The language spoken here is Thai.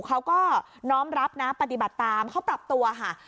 เขาก็น้อมรับนะปฏิบัติตามเขาปรับตัวค่ะ